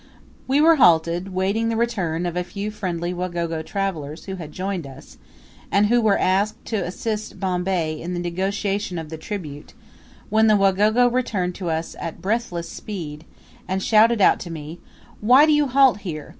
We were halted, waiting the return of a few friendly Wagogo travellers who had joined us, and who were asked to assist Bombay in the negotiation of the tribute, when the Wagogo returned to us at breathless speed, and shouted out to me, "Why do you halt here?